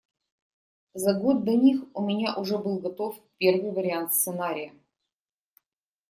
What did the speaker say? За год до них у меня уже был готов первый вариант сценария.